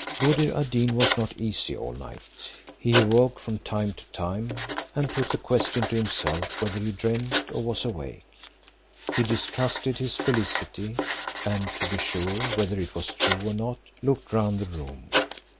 Buddir ad Deen was not easy all night. He awoke from time to time, and put the question to himself, whether he dreamed or was awake. He distrusted his felicity; and, to be sure whether it was true or not, looked round the room.